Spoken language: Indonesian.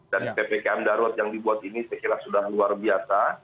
dan ppkm darurat yang dibuat ini sekilas sudah luar biasa